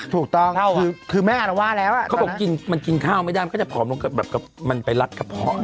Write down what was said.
ถูกต้องคือแม่อารวาสแล้วอ่ะเขาบอกกินมันกินข้าวไม่ได้มันก็จะผอมลงกับแบบมันไปรัดกระเพาะ